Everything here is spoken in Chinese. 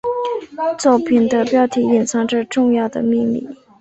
作品的标题隐藏着重要的秘密。